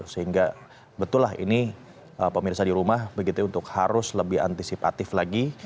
sehingga betullah ini pemirsa di rumah begitu untuk harus lebih antisipatif lagi